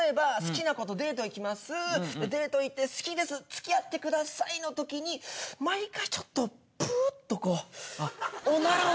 でデート行って「好きですつきあってください」のときに毎回ちょっとプーっとこう。あっオナラが。